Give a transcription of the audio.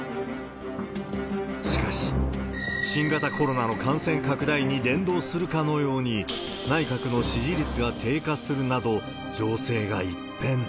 しかし、新型コロナの感染拡大に連動するかのように内閣の支持率が低下するなど、情勢が一変。